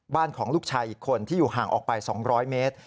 บ้านของลูกชายอีกคนที่อยู่ห่างออกไป๒๐๐เมตร